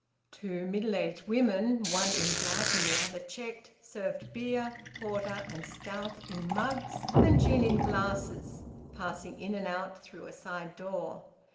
Two middle aged women, one in black and the other checked, served beer, porter, and stout in mugs, and gin in glasses, passing in and out through a side door.